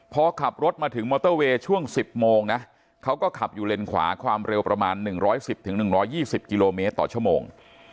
พอขับรถมาถึงมอเตอร์เวย์ช่วง๑๐โมงนะเขาก็ขับอยู่เลนขวาความเร็วประมาณ๑๑๐๑๒๐กิโลเมตรต่อชั่วโมง